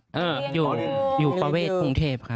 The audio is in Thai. ชื่อยุภาเวทประเวทถุงเทพครับ